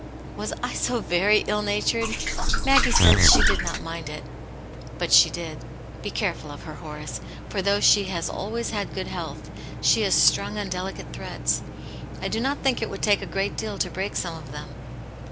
"Was I so very ill natured? Maggie says she did not mind it." "But she did. Be careful of her, Horace, for though she has always had good health, she is strung on delicate threads. I do not think it would take a great deal to break some of them."